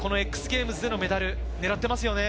ＸＧａｍｅｓでのメダル、ねらってますよね？